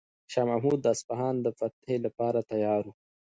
شاه محمود د اصفهان د فتح لپاره تیار و.